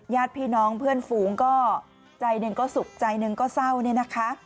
ญาติพี่น้องเพื่อนฟูงก็ใจนึงก็สุขใจนึงก็เศร้า